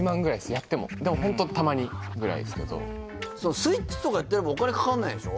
やってもでもホントたまにぐらいですけどそのＳｗｉｔｃｈとかやってればお金かかんないんでしょ？